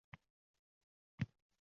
Har kuni